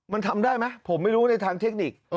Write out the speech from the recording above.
มันทำได้ไหมผมไม่รู้ในทางเทคนิค